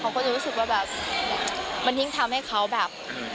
เขาก็จะรู้สึกว่าแบบมันยิ่งทำให้เขาแบบ